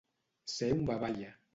Ser un babaia.